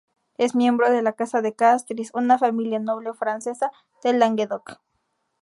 Es miembro de la Casa de Castries, una familia noble francesa de Languedoc.